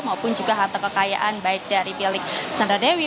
maupun juga harta kekayaan baik dari milik sandra dewi